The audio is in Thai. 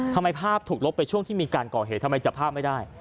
ทำไมภาพถูกลบไปช่วงที่มีการก่อเหตุทำไมจับภาพไม่ได้